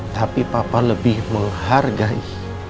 tapi papa lebih menghargai